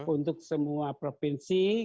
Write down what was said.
untuk semua provinsi